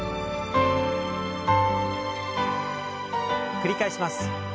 繰り返します。